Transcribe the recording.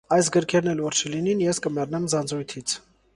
Այս գրքերն էլ որ չլինին` ես կմեռնեմ ձանձրույթից: